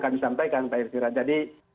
kami sampaikan jadi